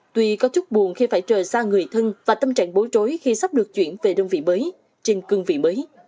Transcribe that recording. tuy có chút buồn khi phải chờ xa người thân và tâm trạng bối trối khi sắp được chuyển về đơn vị mới trên cương vị mới